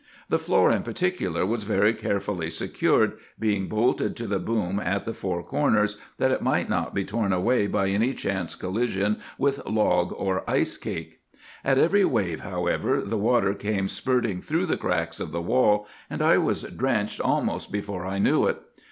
The floor in particular was very carefully secured, being bolted to the boom at the four corners, that it might not be torn away by any chance collision with log or icecake. At every wave, however, the water came spurting through the cracks of the wall, and I was drenched almost before I knew it.